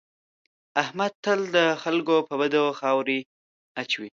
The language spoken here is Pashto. احمد تل د خلکو په بدو خاورې اچوي.